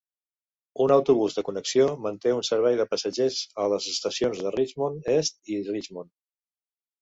Un autobús de connexió manté un servei de passatgers a les estacions de Richmond Est i Richmond.